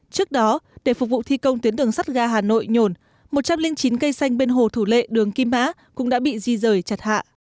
trước đó để phục vụ thi công tuyến đường sắt ga hà nội nhồn một trăm linh chín cây xanh bên hồ thủ lệ đường kim mã cũng đã bị di rời chặt hạ